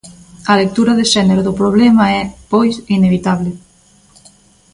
A lectura de xénero do problema é, pois, inevitable.